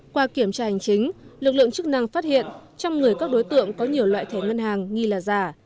qua kiểm tra hành chính lực lượng chức năng phát hiện trong người các đối tượng có nhiều loại thẻ ngân hàng nghi là giả